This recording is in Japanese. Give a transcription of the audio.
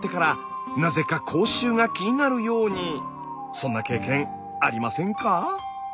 そんな経験ありませんか？